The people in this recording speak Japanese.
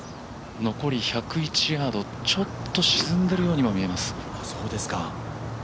残り１０１ヤード、ちょっと沈んでいるようにも見えます。